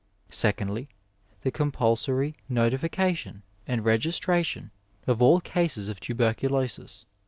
Secondly, the compulsory notification and registration of all cases of tuberculosis.